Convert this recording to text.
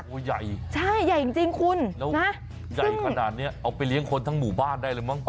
โอ้ยใหญ่จริงคุณนะซึ่งแล้วใหญ่ขนาดนี้เอาไปเลี้ยงคนทั้งหมู่บ้านได้เลยมั้ง